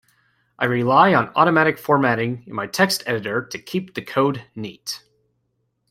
I rely on automatic formatting in my text editor to keep the code neat.